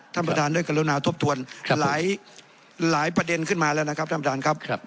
ท่านประธานได้กรุณาทบทวนหลายประเด็นขึ้นมาแล้วนะครับท่านประธานครับ